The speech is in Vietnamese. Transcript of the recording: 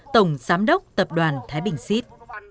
tổng giám đốc tập đoàn thái bình xít